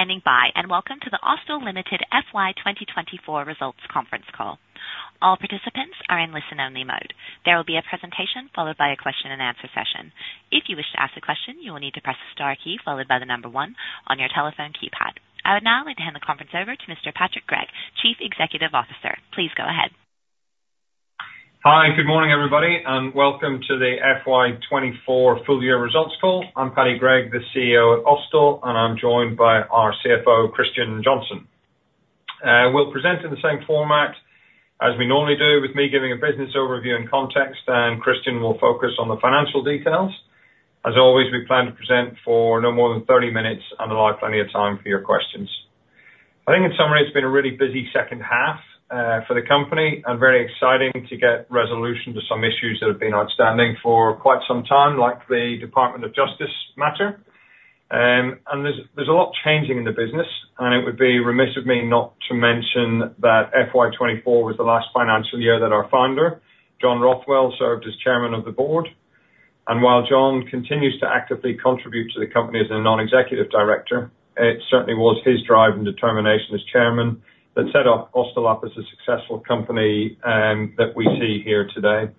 Thank you for standing by, and welcome to the Austal Limited FY 2024 results conference call. All participants are in listen-only mode. There will be a presentation followed by a question and answer session. If you wish to ask a question, you will need to press the star key followed by the number one on your telephone keypad. I would now like to hand the conference over to Mr. Patrick Gregg, Chief Executive Officer. Please go ahead. Hi, good morning, everybody, and welcome to the FY 24 full year results call. I'm Paddy Gregg, the CEO at Austal, and I'm joined by our CFO, Christian Johnstone. We'll present in the same format as we normally do, with me giving a business overview and context, and Christian will focus on the financial details. As always, we plan to present for no more than 30 minutes and allow plenty of time for your questions. I think in summary, it's been a really busy second half for the company and very exciting to get resolution to some issues that have been outstanding for quite some time, like the Department of Justice matter. And there's a lot changing in the business, and it would be remiss of me not to mention that FY 24 was the last financial year that our founder, John Rothwell, served as chairman of the board. And while John continues to actively contribute to the company as a non-executive director, it certainly was his drive and determination as chairman that set Austal up as a successful company that we see here today.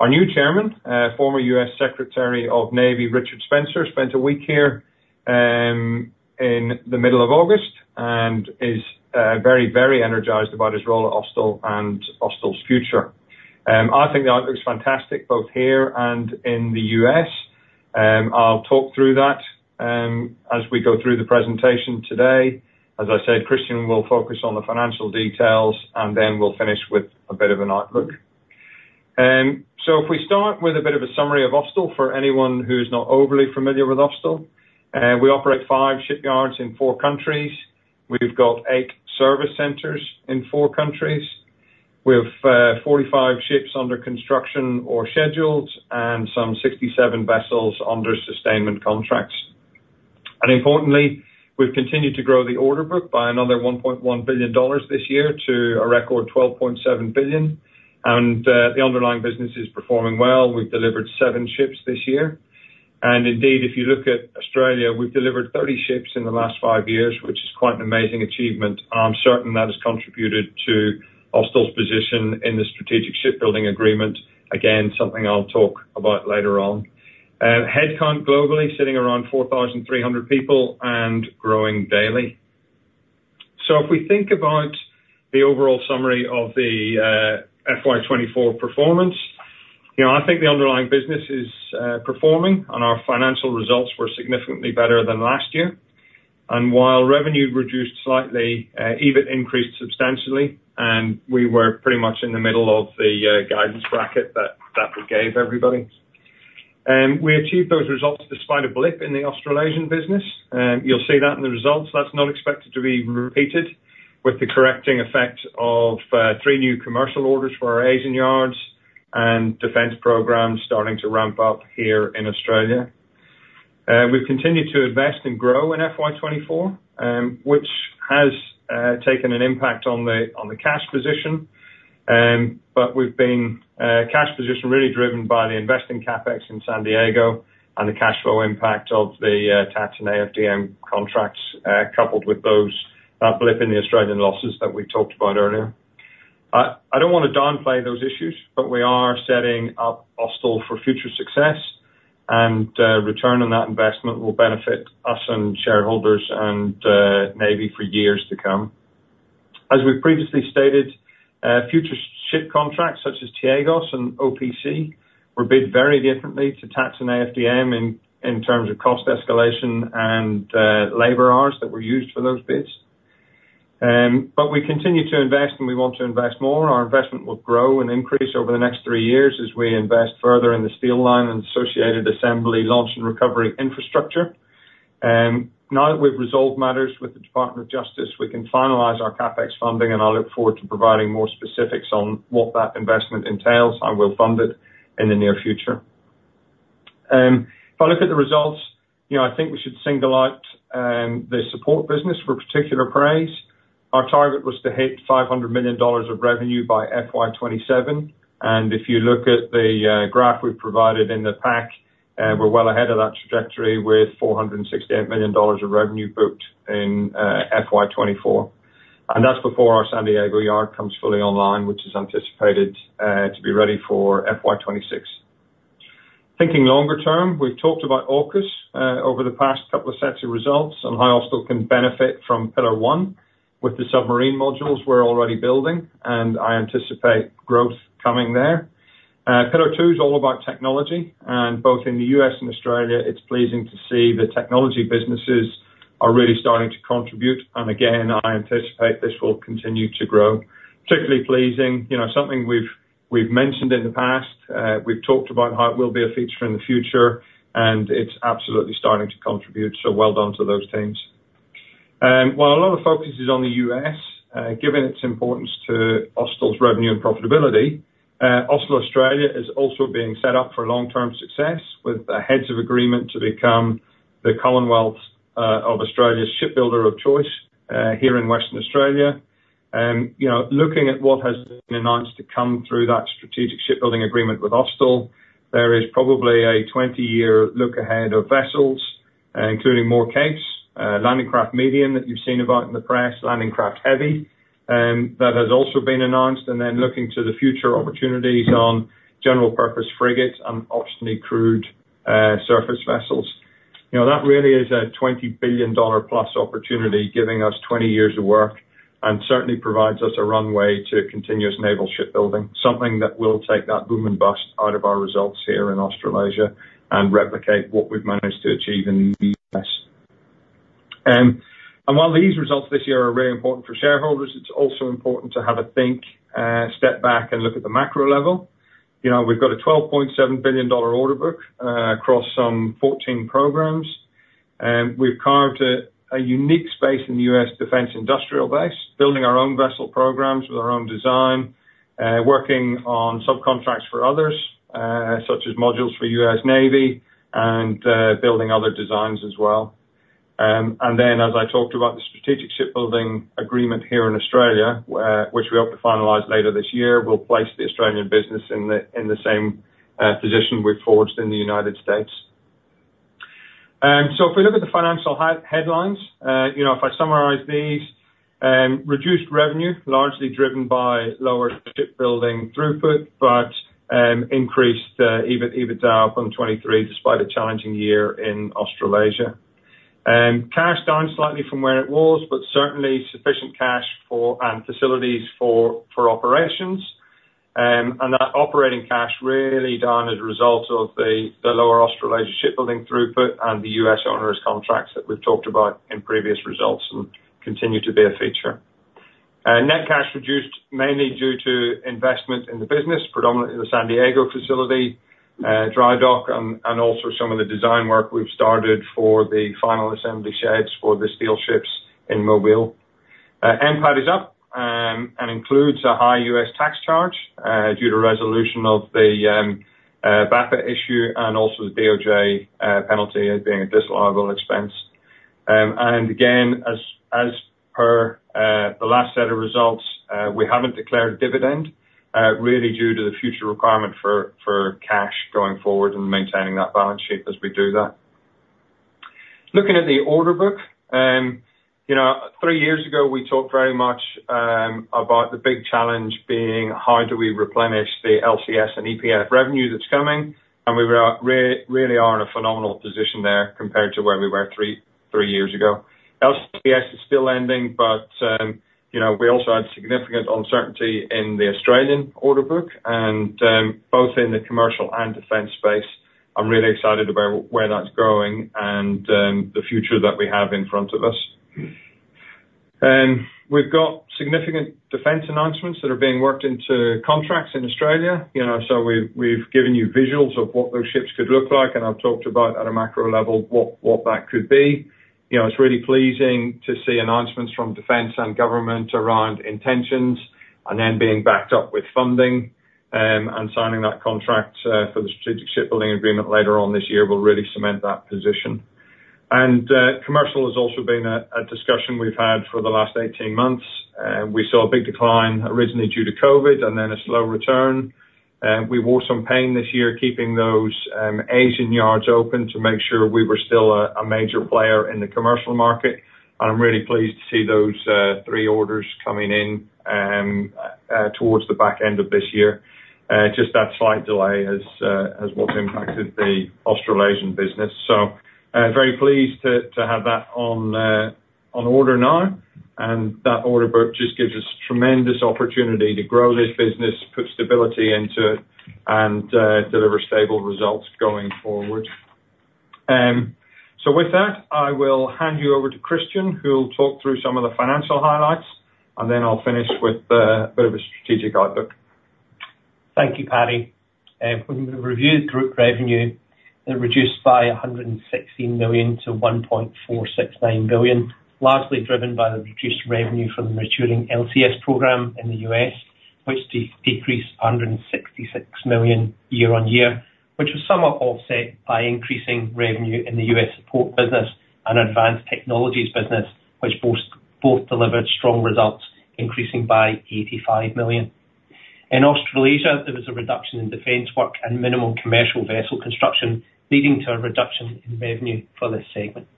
Our new chairman, former U.S. Secretary of the Navy, Richard Spencer, spent a week here in the middle of August and is very, very energized about his role at Austal and Austal's future. I think the outlook is fantastic, both here and in the U.S. I'll talk through that as we go through the presentation today. As I said, Christian will focus on the financial details, and then we'll finish with a bit of an outlook. So if we start with a bit of a summary of Austal, for anyone who's not overly familiar with Austal, we operate five shipyards in four countries. We've got eight service centers in four countries. We have 45 ships under construction or scheduled and some 67 vessels under sustainment contracts. And importantly, we've continued to grow the order book by another 1.1 billion dollars this year to a record 12.7 billion, and the underlying business is performing well. We've delivered seven ships this year, and indeed, if you look at Australia, we've delivered 30 ships in the last five years, which is quite an amazing achievement. I'm certain that has contributed to Austal's position in the Strategic Shipbuilding Agreement. Again, something I'll talk about later on. Headcount globally, sitting around 4,300 people and growing daily. So if we think about the overall summary of the FY 2024 performance, you know, I think the underlying business is performing, and our financial results were significantly better than last year. And while revenue reduced slightly, EBIT increased substantially, and we were pretty much in the middle of the guidance bracket that we gave everybody. We achieved those results despite a blip in the Australasian business. You'll see that in the results. That's not expected to be repeated with the correcting effect of three new commercial orders for our Asian yards and defense programs starting to ramp up here in Australia. We've continued to invest and grow in FY24, which has had an impact on the cash position, but the cash position really driven by the investing CapEx in San Diego and the cash flow impact of the T-ATS and AFDM contracts, coupled with that blip in the Australian losses that we talked about earlier. I don't want to downplay those issues, but we are setting up Austal for future success, and return on that investment will benefit us and shareholders and maybe for years to come. As we've previously stated, future ship contracts such as T-AGOS and OPC were bid very differently to T-ATS and AFDM in terms of cost escalation and labor hours that were used for those bids, but we continue to invest, and we want to invest more. Our investment will grow and increase over the next three years as we invest further in the steel line and associated assembly, launch, and recovery infrastructure. Now that we've resolved matters with the Department of Justice, we can finalize our CapEx funding, and I look forward to providing more specifics on what that investment entails and well-funded in the near future. If I look at the results, you know, I think we should single out the support business for particular praise. Our target was to hit 500 million dollars of revenue by FY 2027, and if you look at the graph we've provided in the pack, we're well ahead of that trajectory with 468 million dollars of revenue booked in FY 2024. And that's before our San Diego yard comes fully online, which is anticipated to be ready for FY 2026. Thinking longer term, we've talked about AUKUS over the past couple of sets of results, and how Austal can benefit from Pillar One with the submarine modules we're already building, and I anticipate growth coming there. Pillar Two is all about technology, and both in the U.S. and Australia, it's pleasing to see the technology businesses are really starting to contribute. And again, I anticipate this will continue to grow. Particularly pleasing, you know, something we've mentioned in the past, we've talked about how it will be a feature in the future, and it's absolutely starting to contribute, so well done to those teams. While a lot of focus is on the U.S., given its importance to Austal's revenue and profitability, Austal Australia is also being set up for long-term success with the heads of agreement to become the Commonwealth of Australia's shipbuilder of choice, here in Western Australia. You know, looking at what has been announced to come through that strategic shipbuilding agreement with Austal, there is probably a 20 look ahead of vessels, including more Capes, Landing Craft Medium, that you've seen about in the press, Landing Craft Heavy, that has also been announced, and then looking to the future opportunities on General Purpose Frigates and Optionally Crewed Surface Vessels. You know, that really is an 20 billion dollar-plus opportunity, giving us 20 years of work, and certainly provides us a runway to continuous naval shipbuilding, something that will take that boom and bust out of our results here in Australasia and replicate what we've managed to achieve in the US, and while these results this year are really important for shareholders, it's also important to have a think, step back and look at the macro level. You know, we've got an 12.7 billion dollar order book, across some 14 programs, and we've carved a unique space in the US defense industrial base, building our own vessel programs with our own design, working on subcontracts for others, such as modules for US Navy and building other designs as well. And then, as I talked about the Strategic Shipbuilding Agreement here in Australia, which we hope to finalize later this year, we'll place the Australian business in the same position we forged in the United States. So if we look at the financial highlights, you know, if I summarize these, reduced revenue, largely driven by lower shipbuilding throughput, but increased EBIT, EBITDA up from 23, despite a challenging year in Australasia. Cash down slightly from where it was, but certainly sufficient cash and facilities for operations. And that operating cash really down as a result of the lower Australasia shipbuilding throughput and the U.S. owners' contracts that we've talked about in previous results and continue to be a feature. Net cash reduced mainly due to investment in the business, predominantly the San Diego facility, dry dock, and also some of the design work we've started for the final assembly sheds for the steel ships in Mobile. NPAT is up, and includes a high US tax charge due to resolution of the BAPA issue and also the DOJ penalty as being a disallowable expense. And again, as per the last set of results, we haven't declared a dividend really due to the future requirement for cash going forward and maintaining that balance sheet as we do that. Looking at the order book, you know, three years ago, we talked very much about the big challenge being: How do we replenish the LCS and EPF revenue that's coming? We were really in a phenomenal position there compared to where we were three years ago. LCS is still ending, but you know, we also had significant uncertainty in the Australian order book, and both in the commercial and defense space. I'm really excited about where that's going and the future that we have in front of us. We've got significant defense announcements that are being worked into contracts in Australia. You know, so we've given you visuals of what those ships could look like, and I've talked about at a macro level, what that could be. You know, it's really pleasing to see announcements from defense and government around intentions, and then being backed up with funding, and signing that contract for the Strategic Shipbuilding Agreement later on this year will really cement that position. Commercial has also been a discussion we've had for the last eighteen months, and we saw a big decline originally due to COVID and then a slow return. We wore some pain this year, keeping those Asian yards open to make sure we were still a major player in the commercial market. I'm really pleased to see those three orders coming in towards the back end of this year. Just that slight delay has what's impacted the Australasian business. Very pleased to have that on order now, and that order book just gives us tremendous opportunity to grow this business, put stability into it, and deliver stable results going forward. So with that, I will hand you over to Christian, who will talk through some of the financial highlights, and then I'll finish with bit of a strategic outlook. Thank you, Paddy. When we reviewed group revenue, it reduced by 116 million to 1.469 billion, largely driven by the reduced revenue from the maturing LCS program in the US, which decreased 166 million year-on-year, which was somewhat offset by increasing revenue in the US support business and advanced technologies business, which both delivered strong results, increasing by 85 million. In Australasia, there was a reduction in defense work and minimum commercial vessel construction, leading to a reduction in revenue for this segment.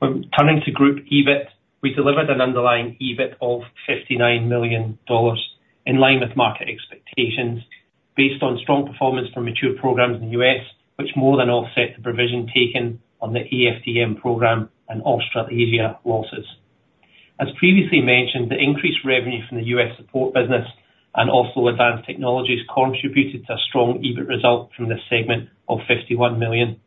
Turning to group EBIT, we delivered an underlying EBIT of 59 million dollars in line with market expectations, based on strong performance from mature programs in the US, which more than offset the provision taken on the AFDM program and Australasia losses. As previously mentioned, the increased revenue from the U.S. support business and also advanced technologies contributed to a strong EBIT result from this segment of 51 million.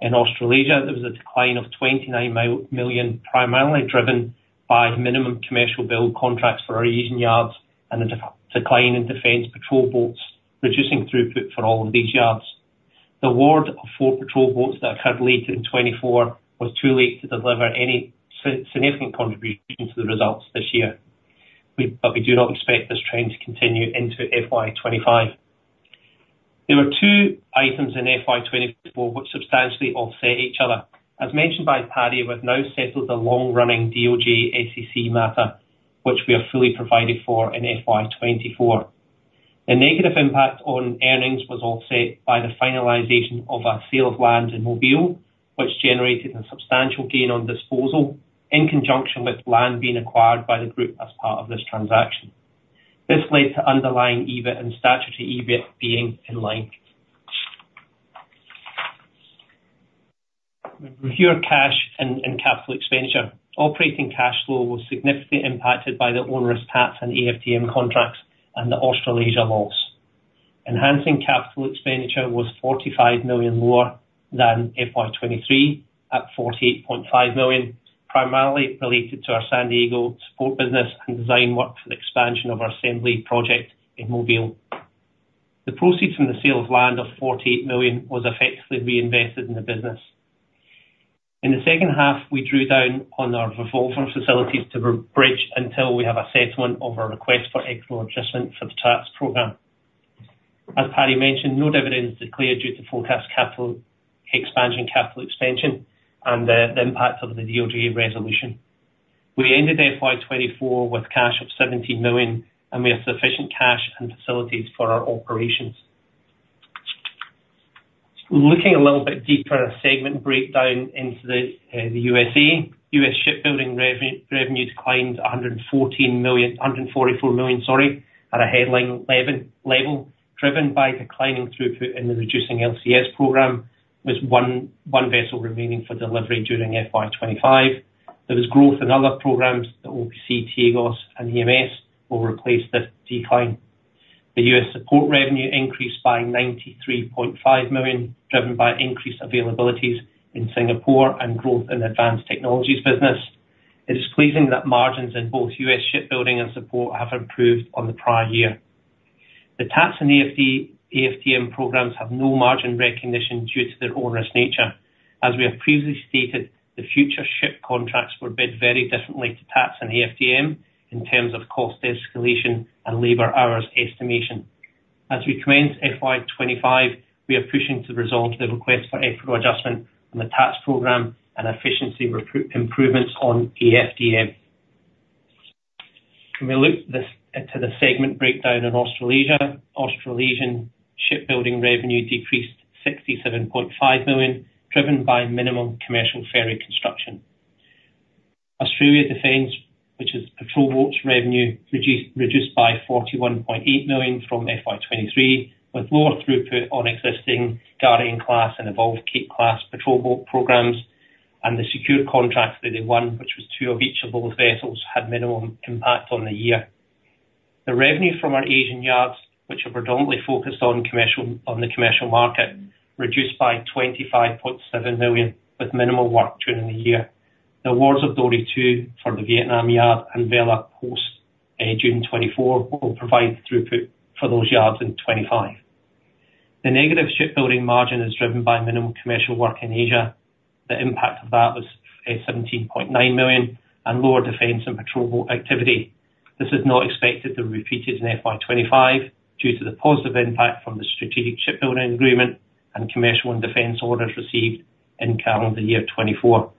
In Australasia, there was a decline of 29 million, primarily driven by minimum commercial build contracts for our Asian yards and a decline in defense patrol boats, reducing throughput for all of these yards. The award of four patrol boats that occurred late in 2024 was too late to deliver any significant contribution to the results this year, but we do not expect this trend to continue into FY 2025. There were two items in FY 2024 which substantially offset each other. As mentioned by Paddy, we've now settled the long-running DOJ SEC matter, which we have fully provided for in FY 2024. The negative impact on earnings was offset by the finalization of our sale of land in Mobile, which generated a substantial gain on disposal in conjunction with land being acquired by the group as part of this transaction. This led to underlying EBIT and statutory EBIT being in line. We review our cash and capital expenditure. Operating cash flow was significantly impacted by the onerous T-ATS and AFDM contracts and the Australasia loss. Capital expenditure was 45 million lower than FY 2023, at 48.5 million, primarily related to our San Diego support business and design work for the expansion of our assembly project in Mobile. The proceeds from the sale of land of 48 million was effectively reinvested in the business. In the second half, we drew down on our revolving facilities to rebridge until we have a settlement of our request for equitable adjustment for the T-ATS program. As Paddy mentioned, no dividend is declared due to forecast capital expansion, capital extension, and the impact of the DOJ resolution. We ended FY 2024 with cash of 17 million, and we have sufficient cash and facilities for our operations. Looking a little bit deeper, a segment breakdown into the USA US shipbuilding revenue declined a hundred and forty-four million, sorry, at a headline level, driven by declining throughput in the reducing LCS program, with one vessel remaining for delivery during FY 2025. There was growth in other programs that OPC, T-AGOS and EMS will replace this decline. The US support revenue increased by $93.5 million, driven by increased availabilities in Singapore and growth in advanced technologies business. It is pleasing that margins in both US shipbuilding and support have improved on the prior year. The T-ATS and AFDM programs have no margin recognition due to their onerous nature. As we have previously stated, the future ship contracts were bid very differently to T-ATS and AFDM in terms of cost, escalation, and labor hours estimation. As we commence FY 2025, we are pushing to resolve the request for equitable adjustment on the T-ATS program and efficiency and recruitment improvements on AFDM. When we look to the segment breakdown in Australasia, Australasian shipbuilding revenue decreased 67.5 million, driven by minimum commercial ferry construction. Austal defense, which is patrol boats revenue, reduced by 41.8 million from FY 2023, with lower throughput on existing Guardian-class and Evolved Cape-class patrol boat programs, and the secure contracts that they won, which was two of each of those vessels, had minimum impact on the year. The revenue from our Asian yards, which are predominantly focused on commercial, on the commercial market, reduced by 25.7 million, with minimal work during the year. The awards of Dory 2 for the Vietnam yard and Bella post June 2024, will provide throughput for those yards in 2025. The negative shipbuilding margin is driven by minimal commercial work in Asia. The impact of that was 17.9 million and lower defense and patrol boat activity. This is not expected to be repeated in FY 2025, due to the positive impact from the Strategic Shipbuilding Agreement and commercial and defense orders received in calendar year 2024.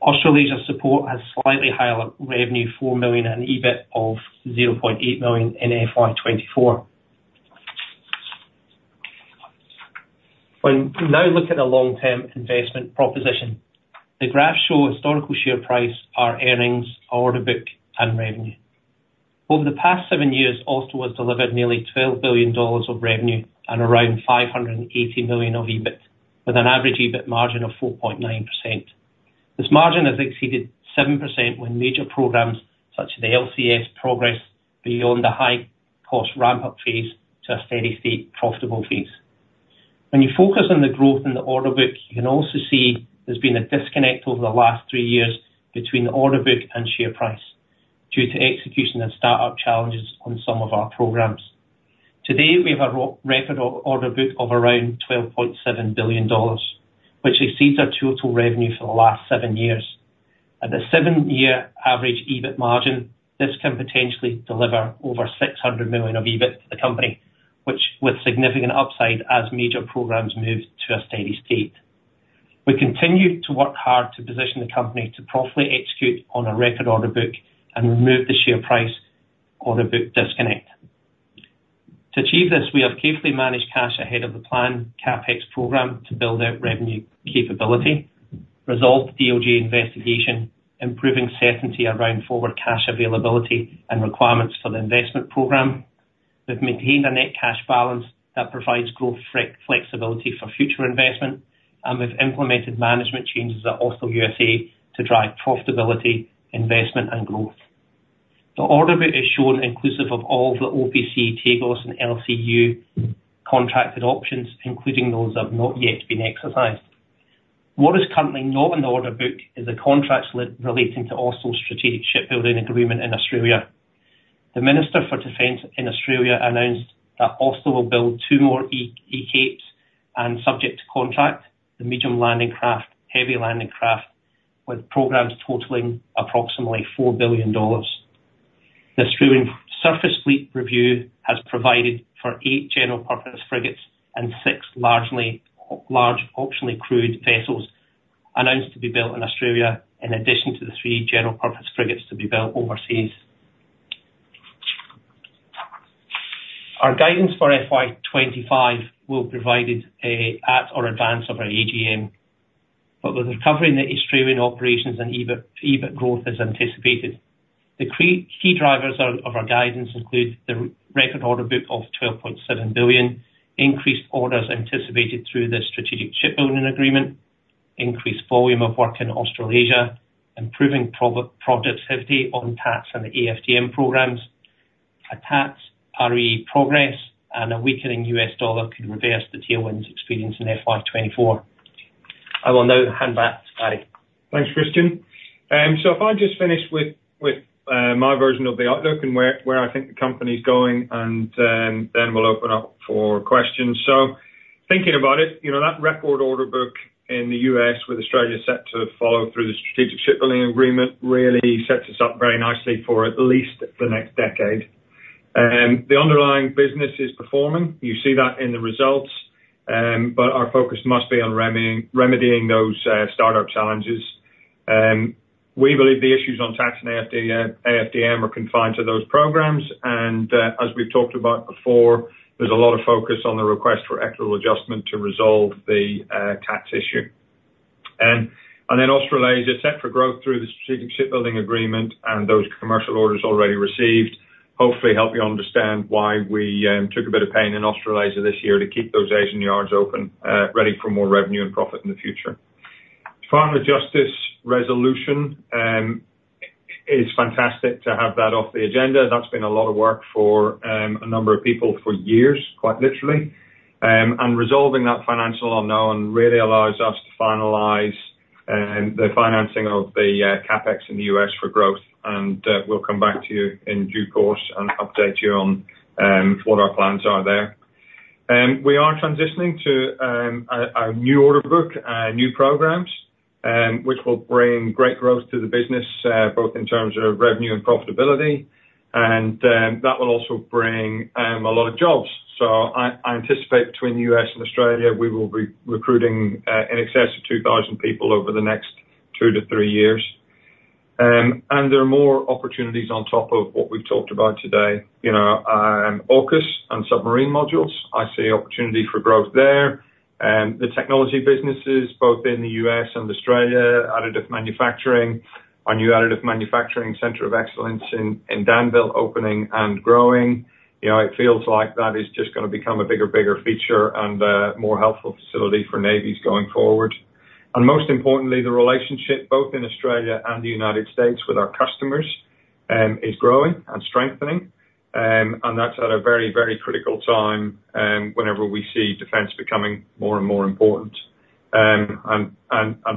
Australasia support has slightly higher revenue, 4 million, and EBIT of 0.8 million in FY 2024. When we now look at the long-term investment proposition, the graph show historical share price, our earnings, our order book, and revenue. Over the past seven years, Austal has delivered nearly 12 billion dollars of revenue and around 580 million of EBIT, with an average EBIT margin of 4.9%. This margin has exceeded 7% when major programs, such as the LCS progress beyond the high cost ramp-up phase to a steady-state, profitable phase. When you focus on the growth in the order book, you can also see there's been a disconnect over the last three years between the order book and share price due to execution and start-up challenges on some of our programs. Today, we have a record order book of around 12.7 billion dollars, which exceeds our total revenue for the last seven years. At the seven-year average EBIT margin, this can potentially deliver over 600 million of EBIT to the company, which, with significant upside as major programs move to a steady state. We continue to work hard to position the company to profitably execute on a record order book and remove the share price order book disconnect. To achieve this, we have carefully managed cash ahead of the planned CapEx program to build out revenue capability, resolve DOJ investigation, improving certainty around forward cash availability and requirements for the investment program. We've maintained a net cash balance that provides growth flexibility for future investment, and we've implemented management changes at Austal USA to drive profitability, investment and growth. The order book is shown inclusive of all the OPC, T-AGOS and LCU contracted options, including those that have not yet been exercised. What is currently not in the order book is the contracts relating to Austal's strategic shipbuilding agreement in Australia. The Minister for Defense in Australia announced that Austal will build two more E-Capes, and subject to contract, the medium landing craft, heavy landing craft with programs totaling approximately 4 billion dollars. The Australian Surface Fleet review has provided for eight General Purpose Frigates and six large optionally crewed vessels announced to be built in Australia, in addition to the three General Purpose Frigates to be built overseas. Our guidance for FY25 will be provided in advance of our AGM. But with recovery in the Australian operations and EBIT, EBIT growth is anticipated. The key drivers of our guidance include the record order book of 12.7 billion, increased orders anticipated through the Strategic Shipbuilding Agreement, increased volume of work in Australasia, improving productivity on T-ATS and AFDM programs, a T-ATS REA progress, and a weakening US dollar could reverse the tailwinds experienced in FY24. I will now hand back to Paddy. Thanks, Christian. So if I just finish with my version of the outlook and where I think the company's going, and then we'll open up for questions. So thinking about it, you know, that record order book in the US, with Australia set to follow through the Strategic Shipbuilding Agreement, really sets us up very nicely for at least the next decade. The underlying business is performing. You see that in the results, but our focus must be on remedying those startup challenges. We believe the issues on T-ATS and AFDM are confined to those programs, and as we've talked about before, there's a lot of focus on the request for equitable adjustment to resolve the T-ATS issue. And then Australasia is set for growth through the Strategic Shipbuilding Agreement, and those commercial orders already received hopefully help you understand why we took a bit of pain in Australasia this year to keep those Asian yards open, ready for more revenue and profit in the future. DOJ resolution, it's fantastic to have that off the agenda. That's been a lot of work for a number of people for years, quite literally. And resolving that financial unknown really allows us to finalize the financing of the CapEx in the U.S. for growth, and we'll come back to you in due course and update you on what our plans are there. We are transitioning to a new order book, new programs, which will bring great growth to the business, both in terms of revenue and profitability, and that will also bring a lot of jobs. So I anticipate between the US and Australia, we will be recruiting in excess of two thousand people over the next two to three years. And there are more opportunities on top of what we've talked about today. You know, AUKUS and submarine modules, I see opportunity for growth there. The technology businesses, both in the US and Australia, additive manufacturing, our new additive manufacturing center of excellence in Danville, opening and growing. You know, it feels like that is just gonna become a bigger and bigger feature and more helpful facility for navies going forward. Most importantly, the relationship, both in Australia and the United States, with our customers, is growing and strengthening. And that's at a very, very critical time, whenever we see defense becoming more and more important. And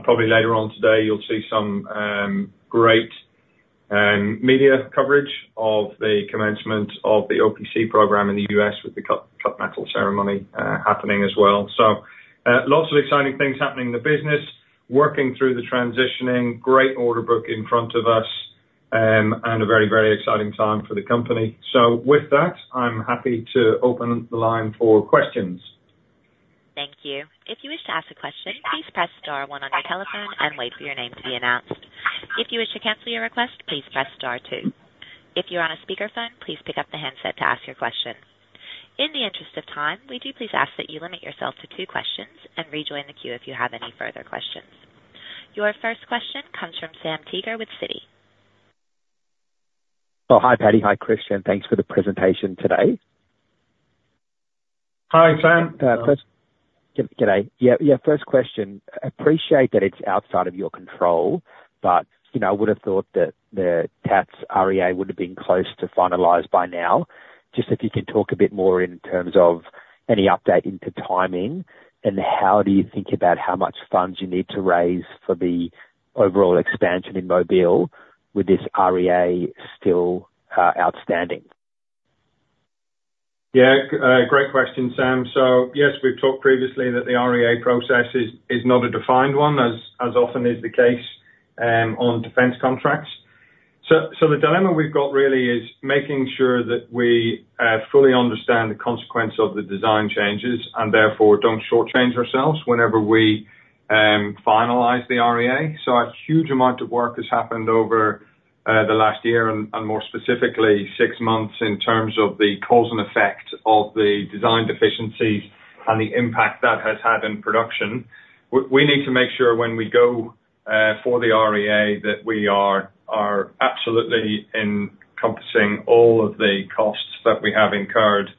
probably later on today, you'll see some great media coverage of the commencement of the OPC program in the US with the steel-cut metal ceremony happening as well. So lots of exciting things happening in the business, working through the transitioning, great order book in front of us, and a very, very exciting time for the company. So with that, I'm happy to open the line for questions. Thank you. If you wish to ask a question, please press star one on your telephone and wait for your name to be announced. If you wish to cancel your request, please press star two. If you're on a speakerphone, please pick up the handset to ask your question. In the interest of time, we do please ask that you limit yourself to two questions and rejoin the queue if you have any further questions. Your first question comes from Sam Teeger with Citi. Oh, hi, Paddy. Hi, Christian. Thanks for the presentation today. Hi, Sam. Good day. Yeah, yeah, first question. Appreciate that it's outside of your control, but, you know, I would have thought that the T-ATS REA would have been close to finalized by now. Just if you could talk a bit more in terms of any update into timing, and how do you think about how much funds you need to raise for the overall expansion in Mobile with this REA still outstanding? Yeah, great question, Sam. So yes, we've talked previously that the REA process is not a defined one, as often is the case, on defense contracts. So the dilemma we've got really is making sure that we fully understand the consequence of the design changes, and therefore, don't shortchange ourselves whenever we finalize the REA. So a huge amount of work has happened over the last year and more specifically, six months, in terms of the cause and effect of the design deficiencies and the impact that has had in production. We need to make sure when we go for the REA, that we are absolutely encompassing all of the costs that we have incurred.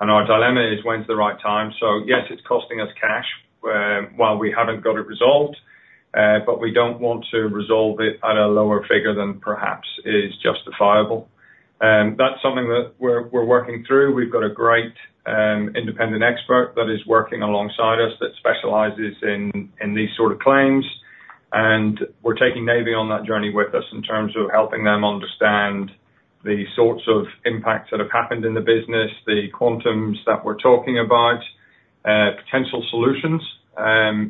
And our dilemma is when's the right time? So yes, it's costing us cash while we haven't got it resolved, but we don't want to resolve it at a lower figure than perhaps is justifiable. That's something that we're working through. We've got a great independent expert that is working alongside us, that specializes in these sort of claims, and we're taking Navy on that journey with us, in terms of helping them understand the sorts of impacts that have happened in the business, the quantums that we're talking about, potential solutions.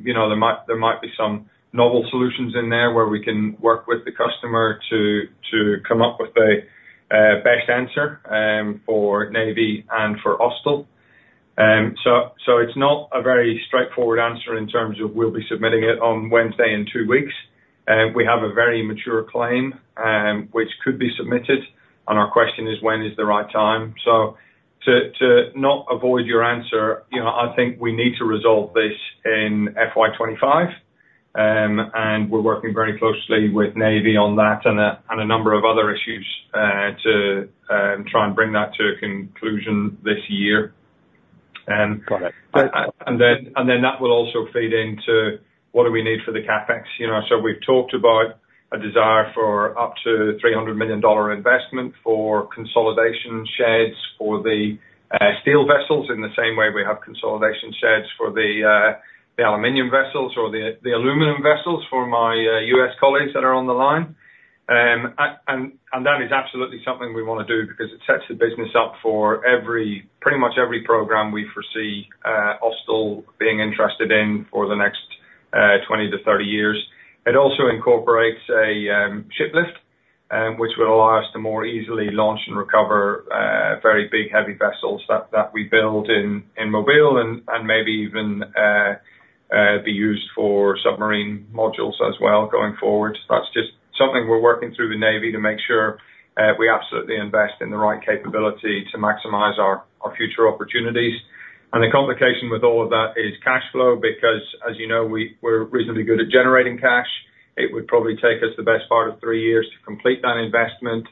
You know, there might be some novel solutions in there where we can work with the customer to come up with a best answer for Navy and for Austal, so it's not a very straightforward answer in terms of we'll be submitting it on Wednesday in two weeks. We have a very mature claim, which could be submitted, and our question is: when is the right time? To not avoid your answer, you know, I think we need to resolve this in FY 2025. We're working very closely with Navy on that and a number of other issues to try and bring that to a conclusion this year. Got it. And then that will also feed into what do we need for the CapEx, you know? So we've talked about a desire for up to 300 million dollar investment for consolidation sheds for the steel vessels, in the same way we have consolidation sheds for the aluminum vessels or the aluminum vessels, for my US colleagues that are on the line. And that is absolutely something we want to do because it sets the business up for pretty much every program we foresee Austal being interested in for the next 20 to 30 years. It also incorporates a ship lift, which will allow us to more easily launch and recover very big, heavy vessels that we build in Mobile and maybe even be used for submarine modules as well going forward. That's just something we're working through the Navy to make sure we absolutely invest in the right capability to maximize our future opportunities. And the complication with all of that is cash flow, because, as you know, we're reasonably good at generating cash. It would probably take us the best part of three years to complete that investment.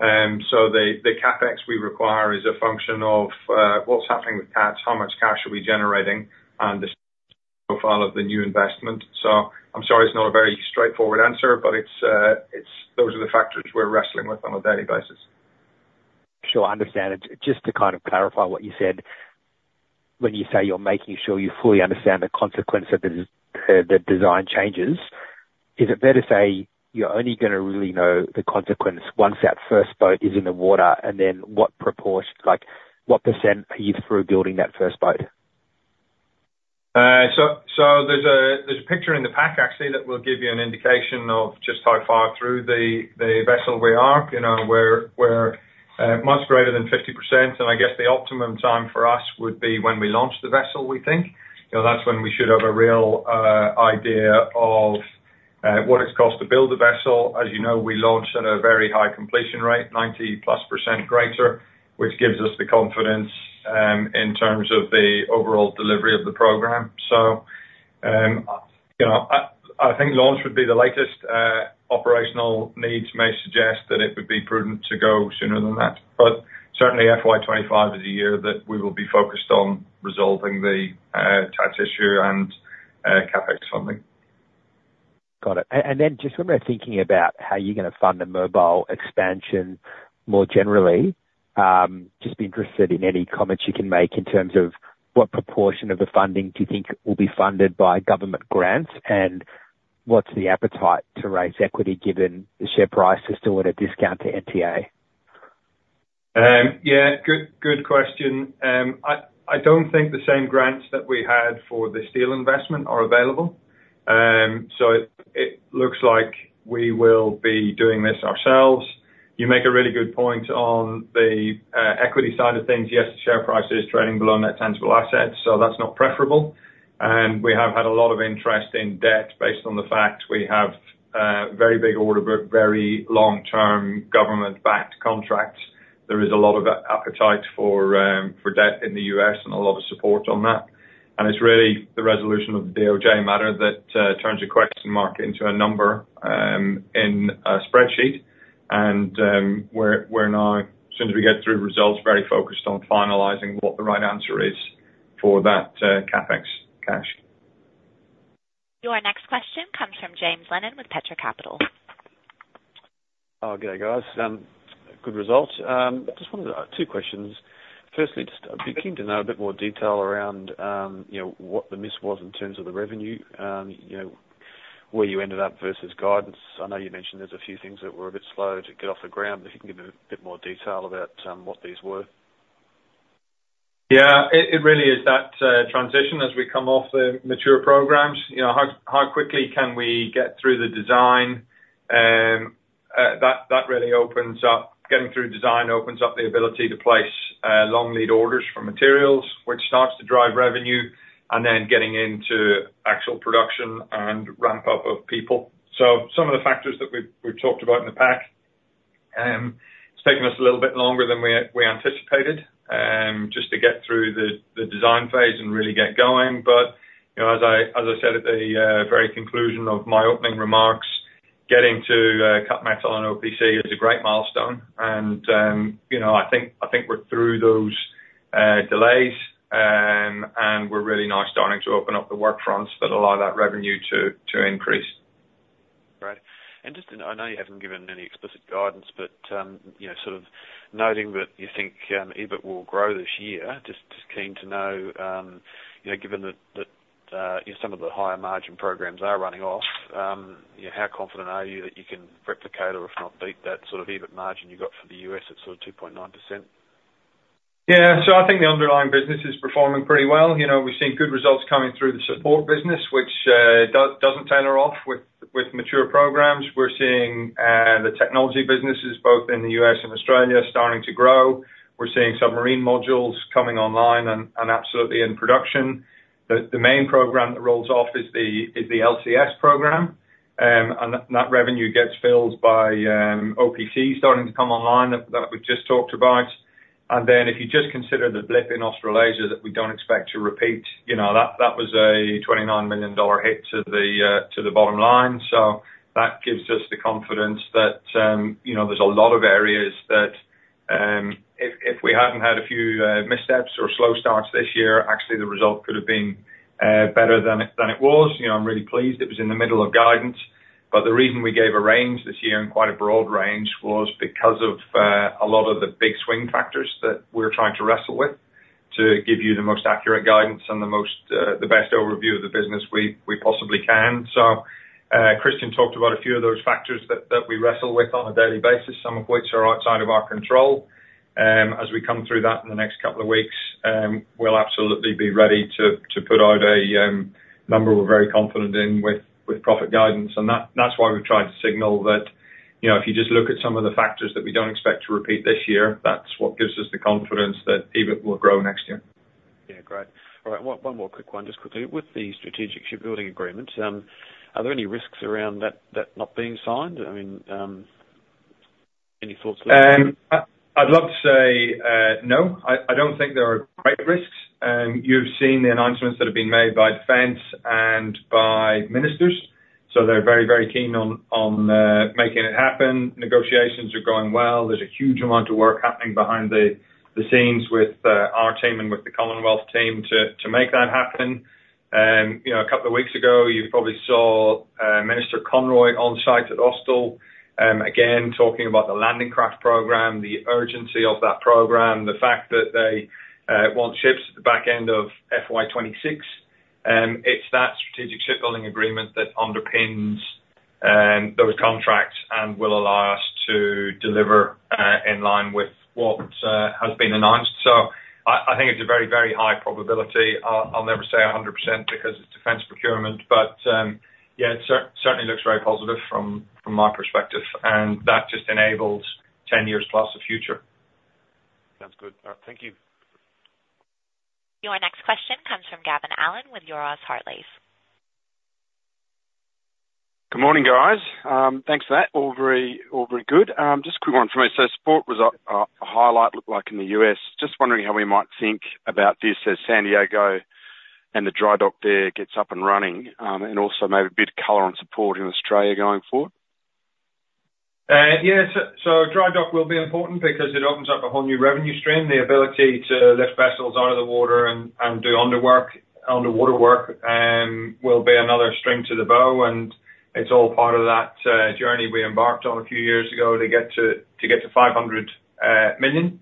So the CapEx we require is a function of what's happening with T-ATS, how much cash are we generating, and the profile of the new investment. So I'm sorry it's not a very straightforward answer, but it's, those are the factors we're wrestling with on a daily basis. Sure, I understand. Just to kind of clarify what you said, when you say you're making sure you fully understand the consequence of the, the design changes, is it fair to say you're only gonna really know the consequence once that first boat is in the water? And then what proportion, like, what percent are you through building that first boat? So there's a picture in the pack, actually, that will give you an indication of just how far through the vessel we are. You know, we're much greater than 50%, and I guess the optimum time for us would be when we launch the vessel, we think. You know, that's when we should have a real idea of what it's cost to build the vessel. As you know, we launch at a very high completion rate, 90-plus% greater, which gives us the confidence in terms of the overall delivery of the program. So you know, I think launch would be the latest. Operational needs may suggest that it would be prudent to go sooner than that, but certainly FY 2025 is the year that we will be focused on resolving the T-ATS issue and CapEx funding. Got it. And then just when we're thinking about how you're gonna fund the Mobile expansion more generally, just be interested in any comments you can make in terms of what proportion of the funding do you think will be funded by government grants, and what's the appetite to raise equity, given the share price is still at a discount to NTA? Yeah, good, good question. I don't think the same grants that we had for the steel investment are available. So it looks like we will be doing this ourselves. You make a really good point on the equity side of things. Yes, the share price is trading below net tangible assets, so that's not preferable. And we have had a lot of interest in debt based on the fact we have very big order of very long-term, government-backed contracts. There is a lot of appetite for debt in the U.S. and a lot of support on that. And it's really the resolution of the DOJ matter that turns a question mark into a number in a spreadsheet. We're now, as soon as we get through results, very focused on finalizing what the right answer is for that CapEx cash. Your next question comes from James Lennon with Petra Capital. Oh, good day, guys. Good results. Just wanted to two questions. Firstly, just I'd be keen to know a bit more detail around, you know, what the miss was in terms of the revenue. You know, where you ended up versus guidance. I know you mentioned there's a few things that were a bit slow to get off the ground, but if you can give a bit more detail about what these were. Yeah, it really is that transition as we come off the mature programs. You know, how quickly can we get through the design? That really opens up getting through design opens up the ability to place long lead orders for materials, which starts to drive revenue, and then getting into actual production and ramp up of people. So some of the factors that we've talked about in the pack, it's taken us a little bit longer than we anticipated, just to get through the design phase and really get going. But, you know, as I, as I said at the very conclusion of my opening remarks, getting to cut metal on OPC is a great milestone, and, you know, I think, I think we're through those delays, and we're really now starting to open up the work fronts that allow that revenue to, to increase. Great. And just, I know you haven't given any explicit guidance, but, you know, sort of noting that you think, EBIT will grow this year, just, just keen to know, you know, given that, some of the higher margin programs are running off. How confident are you that you can replicate or, if not beat, that sort of EBIT margin you got for the U.S. at sort of 2.9%? Yeah, so I think the underlying business is performing pretty well. You know, we've seen good results coming through the support business, which doesn't tail off with mature programs. We're seeing the technology businesses, both in the U.S. and Australia, starting to grow. We're seeing submarine modules coming online and absolutely in production. The main program that rolls off is the LCS program. And that revenue gets filled by OPC starting to come online, that we've just talked about. And then, if you just consider the blip in Australasia, that we don't expect to repeat, you know, that was a 29 million dollar hit to the bottom line. So that gives us the confidence that, you know, there's a lot of areas that, if we hadn't had a few, missteps or slow starts this year, actually the result could have been, better than it was. You know, I'm really pleased. It was in the middle of guidance. But the reason we gave a range this year, and quite a broad range, was because of, a lot of the big swing factors that we're trying to wrestle with, to give you the most accurate guidance and the most, the best overview of the business we possibly can. So, Christian talked about a few of those factors that we wrestle with on a daily basis, some of which are outside of our control. As we come through that in the next couple of weeks, we'll absolutely be ready to put out a number we're very confident in with profit guidance. That's why we've tried to signal that, you know, if you just look at some of the factors that we don't expect to repeat this year, that's what gives us the confidence that EBIT will grow next year. Yeah. Great. All right, one, one more quick one, just quickly. With the Strategic Shipbuilding Agreement, are there any risks around that, that not being signed? I mean, any thoughts there? I'd love to say no. I don't think there are great risks. You've seen the announcements that have been made by defense and by ministers, so they're very, very keen on making it happen. Negotiations are going well. There's a huge amount of work happening behind the scenes with our team and with the Commonwealth team to make that happen. You know, a couple of weeks ago, you probably saw Minister Conroy on site at Austal again, talking about the landing craft program, the urgency of that program, the fact that they want ships at the back end of FY 2026. It's that Strategic Shipbuilding Agreement that underpins those contracts and will allow us to deliver in line with what has been announced. I think it's a very, very high probability. I'll never say 100% because it's defense procurement, but yeah, it certainly looks very positive from my perspective, and that just enables ten years plus of future. Sounds good. Thank you. Your next question comes from Gavin Allen, with Euroz Hartleys. Good morning, guys. Thanks for that. All very good. Just a quick one for me. So support was a highlight, looked like in the U.S. Just wondering how we might think about this as San Diego and the dry dock there gets up and running, and also maybe a bit of color on support in Australia going forward? Yeah, so dry dock will be important because it opens up a whole new revenue stream. The ability to lift vessels out of the water and do underwater work will be another string to the bow, and it's all part of that journey we embarked on a few years ago to get to 500 million.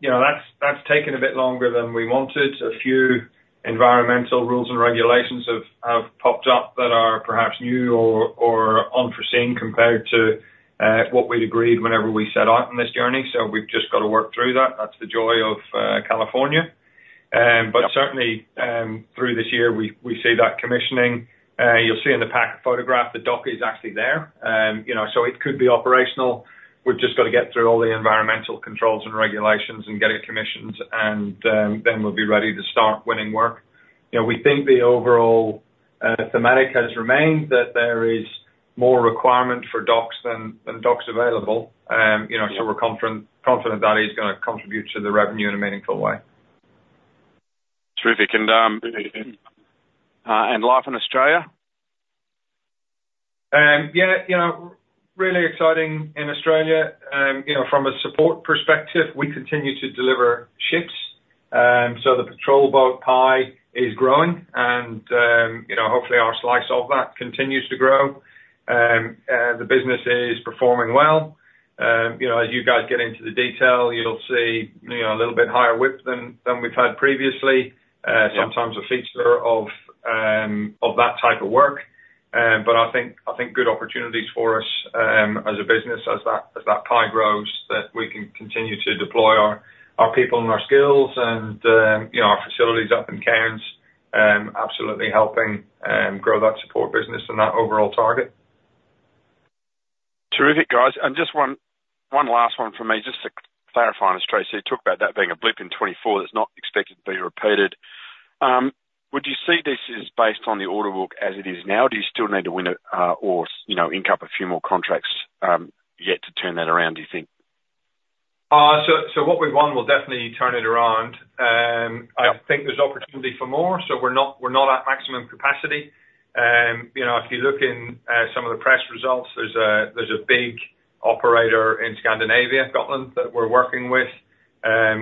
You know, that's taken a bit longer than we wanted. A few environmental rules and regulations have popped up that are perhaps new or unforeseen compared to what we'd agreed whenever we set out on this journey. So we've just got to work through that. That's the joy of California. But certainly, through this year, we see that commissioning. You'll see in the pack a photograph. The dock is actually there. You know, so it could be operational. We've just got to get through all the environmental controls and regulations and get it commissioned and, then we'll be ready to start winning work. You know, we think the overall thematic has remained, that there is more requirement for docks than docks available. You know, so we're confident that is gonna contribute to the revenue in a meaningful way. Terrific. And life in Australia? Yeah, you know, really exciting in Australia. You know, from a support perspective, we continue to deliver ships. So the patrol boat pie is growing and, you know, hopefully our slice of that continues to grow. The business is performing well. You know, as you guys get into the detail, you'll see, you know, a little bit higher WIP than we've had previously. Yeah. Sometimes a feature of that type of work, but I think good opportunities for us as a business, as that pie grows, that we can continue to deploy our people and our skills and, you know, our facilities up in Cairns, absolutely helping grow that support business and that overall target. Terrific, guys. And just one last one for me, just to clarify on this track. So you talked about that being a blip in 24, that's not expected to be repeated. Would you see this as based on the order book as it is now? Do you still need to win it, or, you know, ink up a few more contracts yet to turn that around, do you think? So what we've won will definitely turn it around. Yeah. I think there's opportunity for more, so we're not at maximum capacity. You know, if you look in some of the press results, there's a big operator in Scandinavia, Gotland, that we're working with.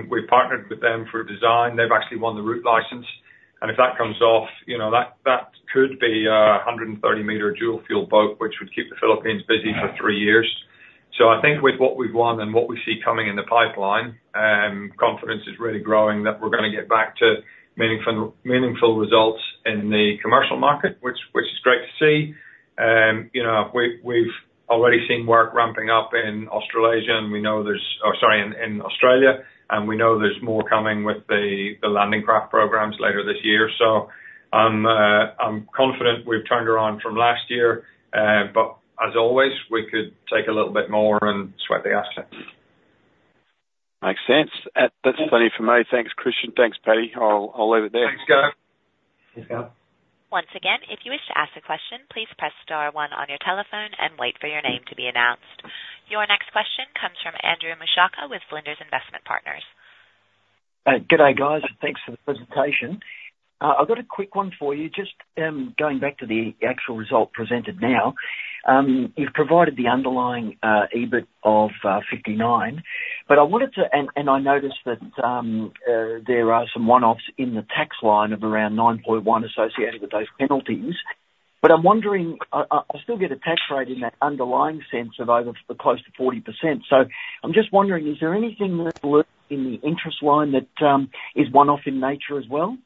We've partnered with them for design. They've actually won the route license, and if that comes off, you know, that could be a 130-meter dual fuel boat, which would keep the Philippines busy for three years. So I think with what we've won and what we see coming in the pipeline, confidence is really growing that we're gonna get back to meaningful results in the commercial market, which is great to see. You know, we've already seen work ramping up in Australia, and we know there's more coming with the landing craft programs later this year. So I'm confident we've turned around from last year, but as always, we could take a little bit more and sweat the assets. Makes sense. That's plenty for me. Thanks, Christian. Thanks, Paddy. I'll leave it there. Thanks, Gavin. Thanks, Scott. Once again, if you wish to ask a question, please press star one on your telephone and wait for your name to be announced. Your next question comes from Andrew Mouchacca with Flinders Investment Partners. Good day, guys. Thanks for the presentation. I've got a quick one for you. Just going back to the actual result presented now. You've provided the underlying EBIT of 59, but I wanted to And I noticed that there are some one-offs in the tax line of around 9.1 associated with those penalties. But I'm wondering, I still get a tax rate in that underlying sense of over close to 40%. So I'm just wondering, is there anything that's worked in the interest line that is one-off in nature as well?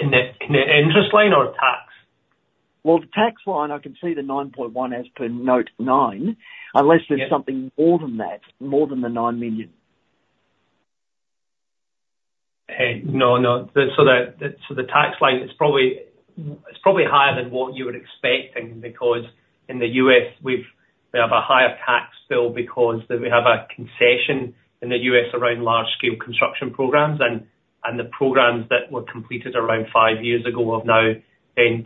In the interest line or tax? The tax line, I can see the nine point one as per note nine. Yeah. Unless there's something more than that, more than the nine million. Hey, no, no. So the tax line, it's probably higher than what you would expect, and because in the US we have a higher tax bill because we have a concession in the US around large-scale construction programs and the programs that were completed around five years ago have now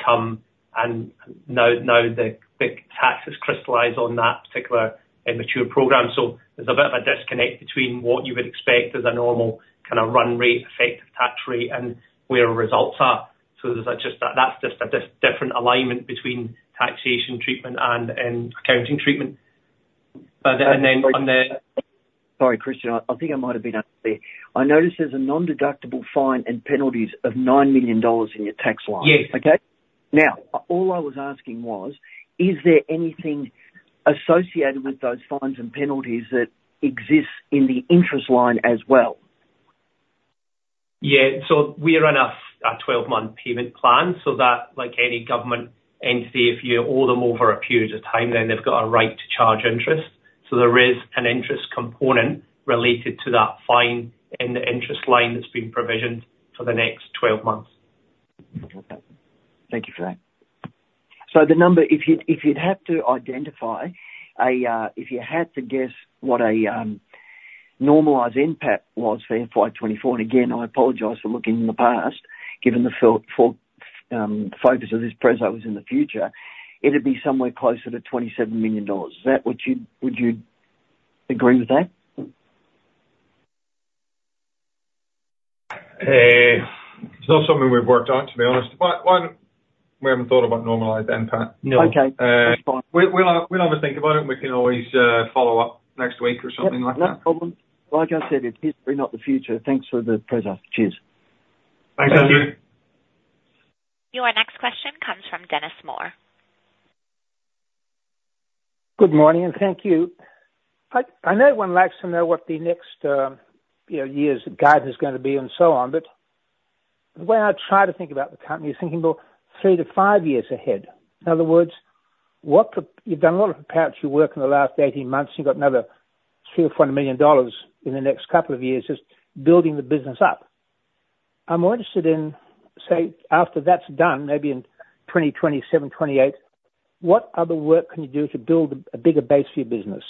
come, and now the big tax is crystallized on that particular immature program. So there's a bit of a disconnect between what you would expect as a normal kind of run rate, effective tax rate and where our results are. So there's just that, that's just a different alignment between taxation treatment and accounting treatment. But then on the- Sorry, Christian. I think I might have been unfair. I noticed there's a non-deductible fine and penalties of 9 million dollars in your tax line. Yes. Okay? Now, all I was asking was, is there anything associated with those fines and penalties that exists in the interest line as well? Yeah. So we are on a twelve-month payment plan so that, like any government entity, if you owe them over a period of time, then they've got a right to charge interest. So there is an interest component related to that fine in the interest line that's been provisioned for the next twelve months. Okay. Thank you for that. So the number, if you, if you'd have to identify a, if you had to guess what a, normalized NPAT was for FY 2024, and again, I apologize for looking in the past, given the focus of this presentation was in the future, it'd be somewhere closer to 27 million dollars. Is that what you'd would you agree with that? It's not something we've worked on, to be honest, but one, we haven't thought about normalized NPAT. No. Okay, that's fine. We'll have a think about it, and we can always follow up next week or something like that. Yep, no problem. Like I said, it's history, not the future. Thanks for the presentation. Cheers. Thanks, Andrew. Your next question comes from Dennis Moore. Good morning, and thank you. I know everyone likes to know what the next, you know, year's guidance is gonna be and so on, but the way I try to think about the company is thinking about three to five years ahead. In other words, what you've done a lot of preparatory work in the last eighteen months, you've got another 3 million or 4 million dollars in the next couple of years just building the business up. I'm interested in, say, after that's done, maybe in 2027, 28, what other work can you do to build a bigger base for your business?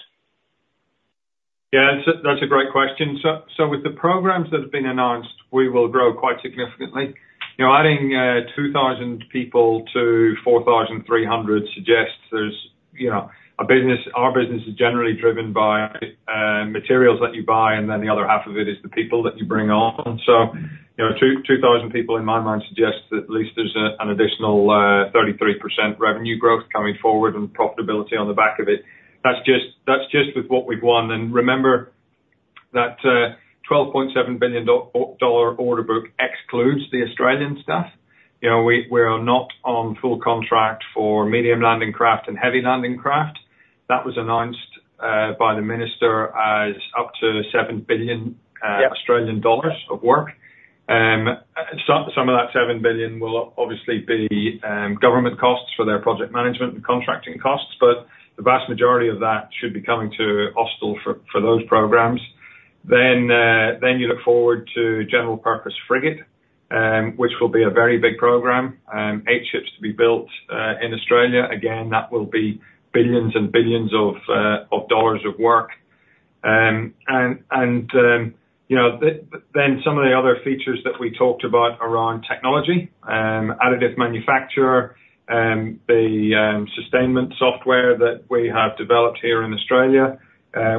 Yeah, that's a great question. So, with the programs that have been announced, we will grow quite significantly. You know, adding 2,000 people to 4,300 suggests there's, you know, our business is generally driven by materials that you buy, and then the other half of it is the people that you bring on. So, you know, 2,000 people, in my mind, suggests that at least there's an additional 33% revenue growth coming forward and profitability on the back of it. That's just with what we've won. And remember that $12.7 billion dollar order book excludes the Australian stuff. You know, we are not on full contract for medium landing craft and heavy landing craft. That was announced by the minister as up to 7 billion. Yeah Australian dollars of work. Some of that 7 billion will obviously be government costs for their project management and contracting costs, but the vast majority of that should be coming to Austal for those programs. Then you look forward to General Purpose Frigate, which will be a very big program, eight ships to be built in Australia. Again, that will be billions and billions of AUD of work. And you know, then some of the other features that we talked about around technology, additive manufacturing, the sustainment software that we have developed here in Australia,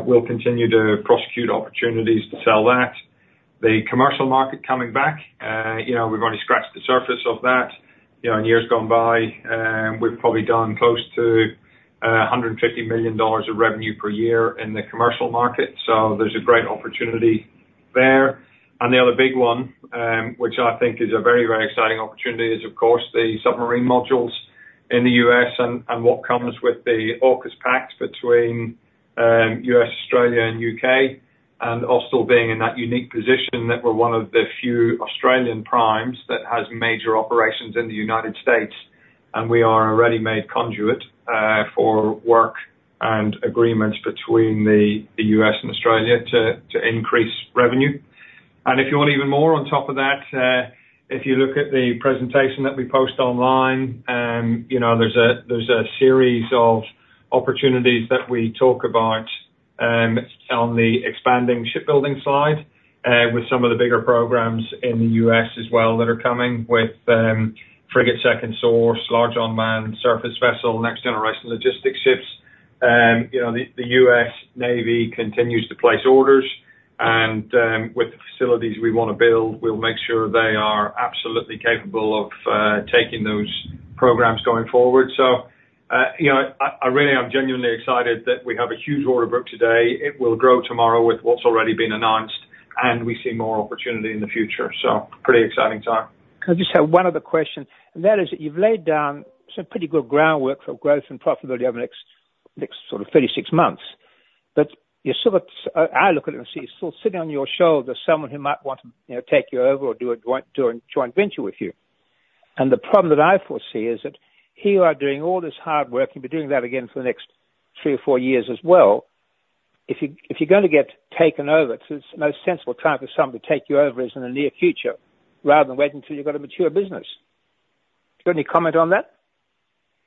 we'll continue to prosecute opportunities to sell that. The commercial market coming back, you know, we've only scratched the surface of that. You know, in years gone by, we've probably done close to 150 million dollars of revenue per year in the commercial market, so there's a great opportunity there. And the other big one, which I think is a very, very exciting opportunity, is, of course, the submarine modules in the U.S. and what comes with the AUKUS pact between U.S., Australia, and U.K. And also being in that unique position that we're one of the few Australian primes that has major operations in the United States, and we are a ready-made conduit for work and agreements between the U.S. and Australia to increase revenue. And if you want even more on top of that, if you look at the presentation that we post online, you know, there's a series of opportunities that we talk about on the expanding shipbuilding side with some of the bigger programs in the U.S. as well that are coming with Frigate Second Source, Large Unmanned Surface Vessel, Next Generation Logistics Ships. You know, the U.S. Navy continues to place orders, and with the facilities we wanna build, we'll make sure they are absolutely capable of taking those programs going forward. So, you know, I really am genuinely excited that we have a huge order book today. It will grow tomorrow with what's already been announced, and we see more opportunity in the future. So pretty exciting time. Can I just have one other question? And that is, you've laid down some pretty good groundwork for growth and profitability over the next sort of thirty-six months. But you're sort of I look at it and see still sitting on your shoulder, someone who might want to, you know, take you over or do a joint venture with you. And the problem that I foresee is that, here you are doing all this hard work, and you'll be doing that again for the next three or four years as well. If you're gonna get taken over, so it's the most sensible time for somebody to take you over is in the near future, rather than waiting until you've got a mature business. Do you have any comment on that?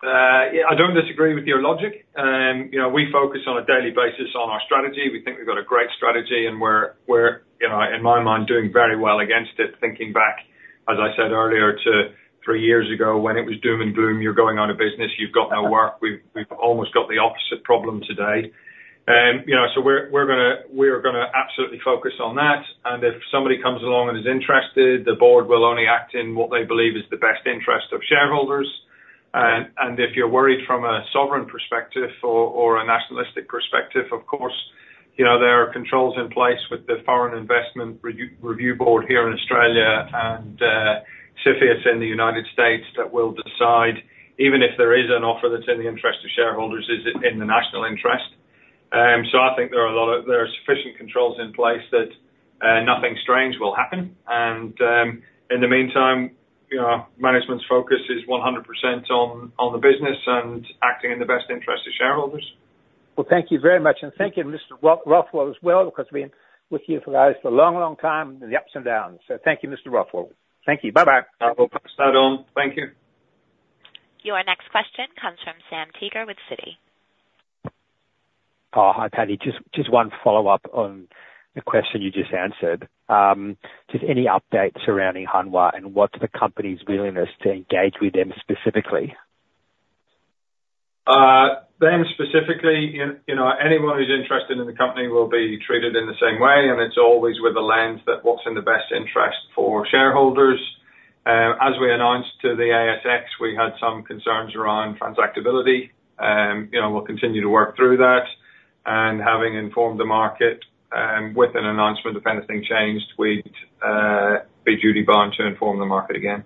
Yeah, I don't disagree with your logic. You know, we focus on a daily basis on our strategy. We think we've got a great strategy, and you know, in my mind, doing very well against it. Thinking back, as I said earlier, to three years ago, when it was doom and gloom, you're going out of business, you've got no work. We've almost got the opposite problem today. You know, so we're gonna absolutely focus on that, and if somebody comes along and is interested, the board will only act in what they believe is the best interest of shareholders. And if you're worried from a sovereign perspective or a nationalistic perspective, of course, you know, there are controls in place with the Foreign Investment Review Board here in Australia and CFIUS in the United States that will decide, even if there is an offer that's in the interest of shareholders, is it in the national interest? So I think there are sufficient controls in place that nothing strange will happen. And in the meantime, you know, management's focus is 100% on the business and acting in the best interest of shareholders. Well, thank you very much, and thank you, Mr. Rothwell, as well, because we've been with you guys for a long, long time, in the ups and downs. So thank you, Mr. Rothwell. Thank you. Bye-bye. I will pass that on. Thank you. Your next question comes from Sam Teeger with Citi. Oh, hi, Paddy. Just, just one follow-up on the question you just answered. Just any update surrounding Hanwha, and what's the company's willingness to engage with them specifically? Them specifically, you know, anyone who's interested in the company will be treated in the same way, and it's always with the lens that what's in the best interest for shareholders. As we announced to the ASX, we had some concerns around transferability. You know, we'll continue to work through that, and having informed the market with an announcement, if anything changed, we'd be duty-bound to inform the market again.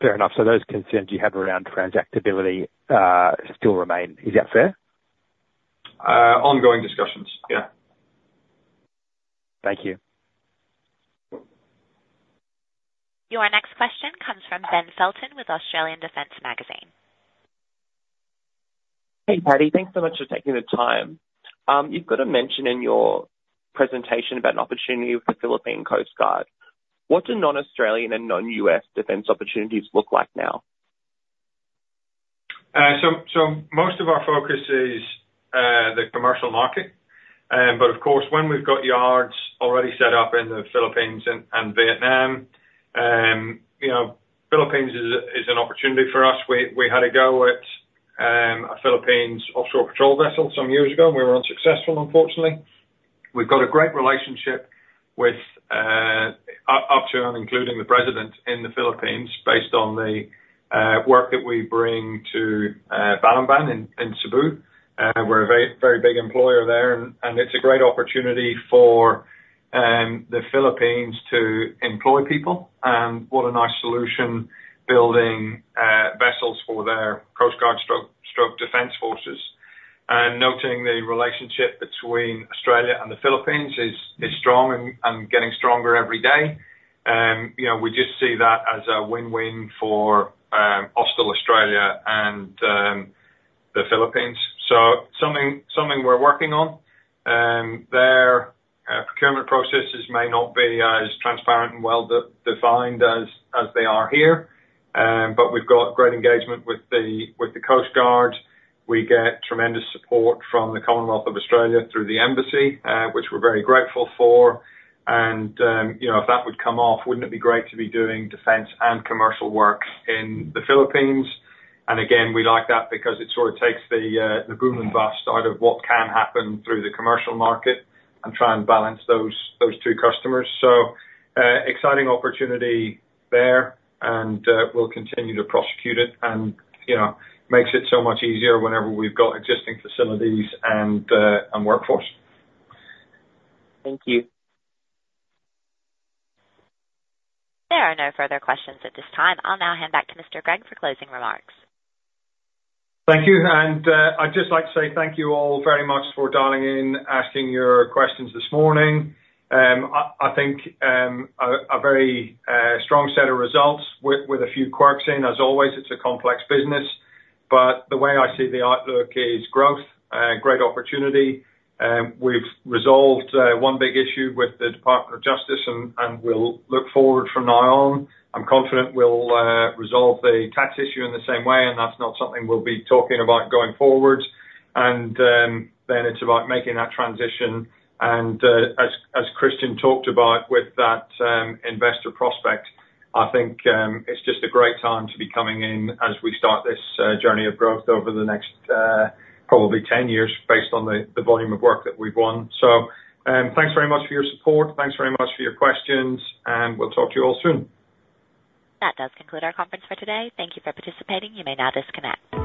Fair enough. So those concerns you have around transactability still remain. Is that fair? Ongoing discussions, yeah. Thank you. Your next question comes from Ben Felton with Australian Defence Magazine. Hey, Paddy. Thanks so much for taking the time. You've got a mention in your presentation about an opportunity with the Philippine Coast Guard. What do non-Australian and non-US defense opportunities look like now? So most of our focus is the commercial market, but of course, when we've got yards already set up in the Philippines and Vietnam, you know, Philippines is an opportunity for us. We had a go at a Philippines offshore patrol vessel some years ago, and we were unsuccessful, unfortunately. We've got a great relationship with up to and including the President in the Philippines, based on the work that we bring to Balamban and Cebu. We're a very, very big employer there, and it's a great opportunity for the Philippines to employ people want a nice solution, building vessels for their Coast Guard, stroke, stroke, defense forces. Noting the relationship between Australia and the Philippines is strong and getting stronger every day. You know, we just see that as a win-win for Austal Australia and the Philippines. So something we're working on. Their procurement processes may not be as transparent and well defined as they are here, but we've got great engagement with the Coast Guard. We get tremendous support from the Commonwealth of Australia through the embassy, which we're very grateful for. And you know, if that would come off, wouldn't it be great to be doing defense and commercial work in the Philippines? And again, we like that because it sort of takes the boom and bust out of what can happen through the commercial market and try and balance those two customers. So, exciting opportunity there, and we'll continue to prosecute it. You know, makes it so much easier whenever we've got existing facilities and workforce. Thank you. There are no further questions at this time. I'll now hand back to Mr. Gregg for closing remarks. Thank you, and I'd just like to say thank you all very much for dialing in, asking your questions this morning. I think a very strong set of results with a few quirks in. As always, it's a complex business, but the way I see the outlook is growth, great opportunity. We've resolved one big issue with the Department of Justice and we'll look forward from now on. I'm confident we'll resolve the tax issue in the same way, and that's not something we'll be talking about going forward. Then it's about making that transition, and as Christian talked about with that investor prospect, I think it's just a great time to be coming in as we start this journey of growth over the next probably 10 years, based on the volume of work that we've won. So, thanks very much for your support. Thanks very much for your questions, and we'll talk to you all soon. That does conclude our conference for today. Thank you for participating. You may now disconnect.